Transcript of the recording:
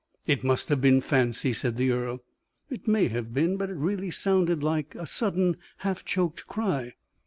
"It must have been fancy," said the earl. "It may have been, but it really sounded like a sudden, half choked cry."